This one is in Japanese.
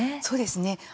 そうですね。